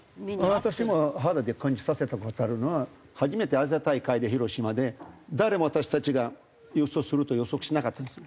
私も肌で感じさせた事あるのは初めてアジア大会で広島で誰も私たちが優勝すると予測しなかったんですね。